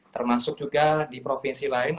termasuk juga di provinsi lain